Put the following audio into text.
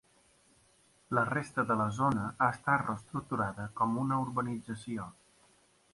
La resta de la zona ha estat reestructurada com una urbanització.